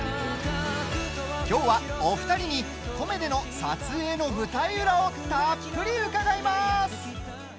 きょうは、お二人に登米での撮影の舞台裏をたっぷり伺います。